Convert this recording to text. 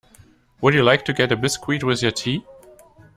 Would you like a biscuit with your tea?